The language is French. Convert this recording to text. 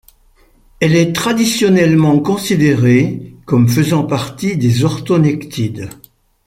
Elle est traditionnellement considérée comme faisant partie des orthonectides.